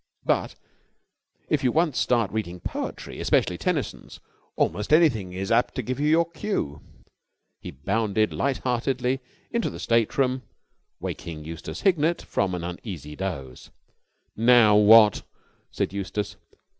But, if you once start reading poetry, especially Tennyson's, almost anything is apt to give you your cue. He bounded light heartedly into the state room, waking Eustace Hignett from an uneasy dose. "Now what?" said Eustace.